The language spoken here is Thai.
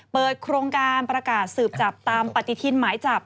เปิดโครงการประกาศสืบจับตามปฏิทินหมายจับ